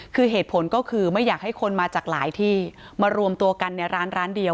คือเหตุผลก็คือไม่อยากให้คนมาจากหลายที่มารวมตัวกันในร้านร้านเดียว